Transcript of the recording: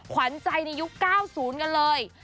ขวัญใจในยุค๙๐กันเลย